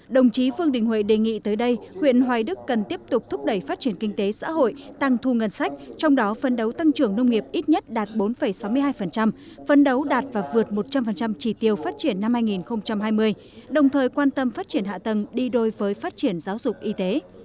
đồng chí vương đình huệ đề nghị tới đây huyện hoài đức cần tiếp tục thúc đẩy phát triển kinh tế xã hội tăng thu ngân sách trong đó phân đấu tăng trưởng nông nghiệp ít nhất đạt bốn sáu mươi hai phân đấu đạt và vượt một trăm linh trì tiêu phát triển năm hai nghìn hai mươi đồng thời quan tâm phát triển hạ tầng đi đôi với phát triển giáo dục y tế